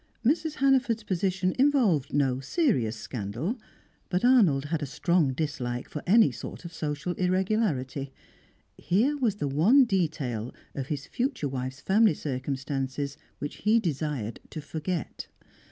Mrs. Hannaford's position involved no serious scandal, but Arnold had a strong dislike for any sort of social irregularity; here was the one detail of his future wife's family circumstances which he desired to forget.